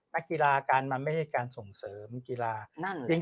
นักกีฬากานมันไม่ใช่ส่งเสิมนันกีฬาการ